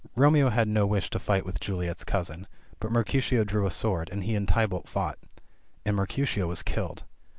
Romeo had no wish to fight with Juliet's cousin, but Mercutio drew a sword, and he and Tybalt fought. And Mercutio was killed.